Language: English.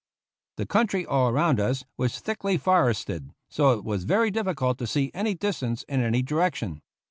The country all around us was thickly forested, so that it was very difficult to see any distance in any direction.